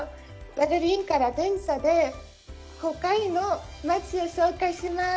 ベルリンから電車で街を紹介します。